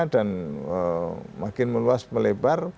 dan makin meluas melebar